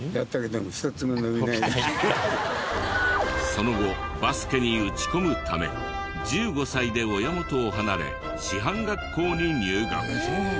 その後バスケに打ち込むため１５歳で親元を離れ師範学校に入学。